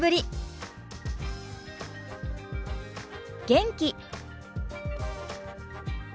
元気。